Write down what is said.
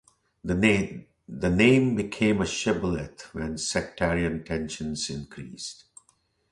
The name became a shibboleth when sectarian tensions increased.